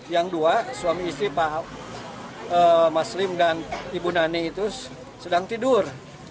yang dua suami istri pak maslim dan ibu nani itu sedang tidur